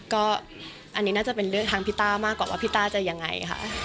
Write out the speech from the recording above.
ก็อันนี้น่าจะเป็นเรื่องทางพี่ต้ามากกว่าว่าพี่ต้าจะยังไงค่ะ